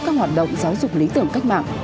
các hoạt động giáo dục lý tưởng cách mạng